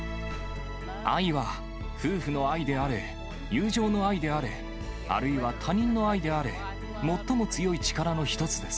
愛は夫婦の愛であれ、友情の愛であれ、あるいは他人の愛であれ、最も強い力の一つです。